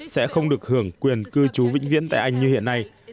sẽ không được hưởng quyền cư trú vĩnh viễn tại anh như hiện nay